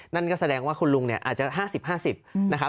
นั่นก็แสดงว่าคุณลุงอาจจะว่า๕๐๕๐